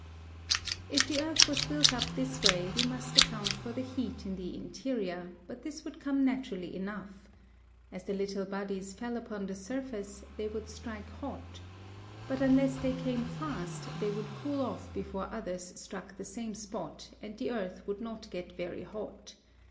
If the earth was built up this way we must account for the heat in the interior, but this would come naturally enough. As the little bodies fell upon the surface they would strike hot. But unless they came fast they would cool off before others struck the same spot and the earth would not get very hot.